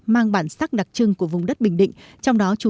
mang bản sắc đặc trưng của vùng đất bình định